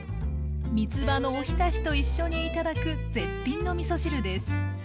みつばのおひたしと一緒に頂く絶品のみそ汁です。